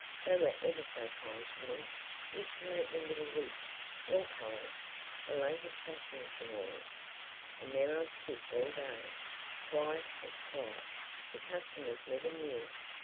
They were ever so kind to me. Used to make me little wigs, all colours, the latest fashions and all. And there I'd sit all day, quiet as quiet—the customers never knew.